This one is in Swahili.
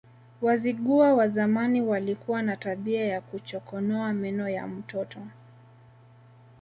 Wazigua wa zamani walikuwa na tabia ya kuchokonoa meno ya mtoto